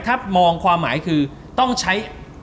ถ้ามองความหมายคือต้องใช้